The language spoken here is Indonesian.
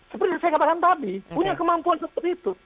seperti yang saya katakan tadi punya kemampuan seperti itu